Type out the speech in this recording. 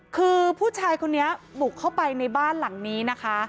คือผู้ชายคนนี้บุกเข้าไปในบ้านหลังนี้นะคะ